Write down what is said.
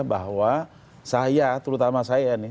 bahwa saya terutama saya